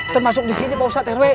termasuk disini pak ustad terwe